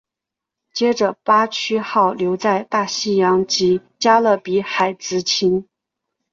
接着巴区号留在大西洋及加勒比海执勤。